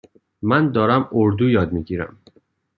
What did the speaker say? من دارم اردو یاد می گیرم.